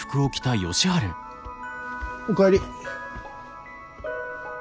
お帰り。